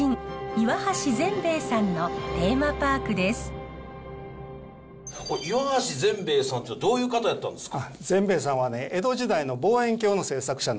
岩橋善兵衛さんってどういう方やったんですか？